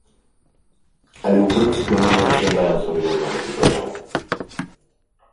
Але ў прынцыпе мы не разглядаем сур'ёзна гэту заяву.